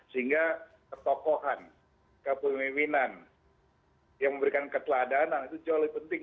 sehingga ketokohan kepemimpinan yang memberikan keteladanan itu jauh lebih penting